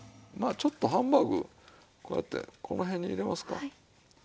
まあちょっとハンバーグこうやってこの辺に入れますか。